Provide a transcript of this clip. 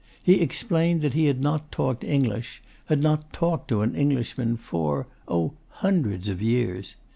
He explained that he had not talked English, had not talked to an Englishman, 'for oh, hundreds of years.